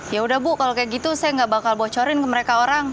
ya udah bu kalau kayak gitu saya nggak bakal bocorin ke mereka orang